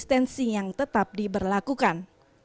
sosial distensi yang tetap diberlakukan